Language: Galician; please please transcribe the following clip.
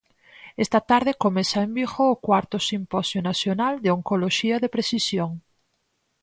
Esta tarde comeza en Vigo o cuarto Simposio Nacional de Oncoloxía de Precisión.